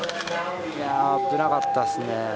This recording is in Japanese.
危なかったっすね。